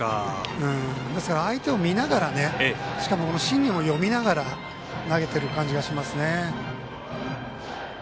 ですから、相手を見ながらしかもシーンを見ながら投げてる感じがしますね。